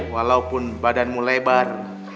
walaupun badanmu lebar